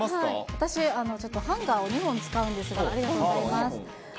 私、ちょっと、ハンガーを２本使うんですが、ありがとうございます。